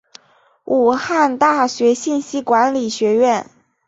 武汉大学信息管理学院